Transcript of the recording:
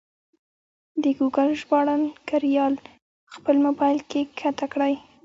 د ګوګل ژباړن کریال خپل مبایل کې کښته کړئ.